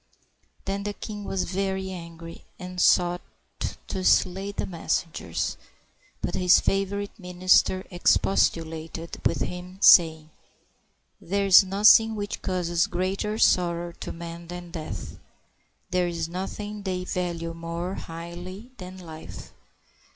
Then the king was very angry, and sought to slay the messengers; but his favorite minister expostulated with him, saying, "There is nothing which causes greater sorrow to men than death ; there is nothing they value more highly than life.